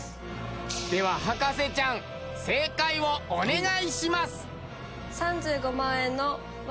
では博士ちゃん正解をお願いします。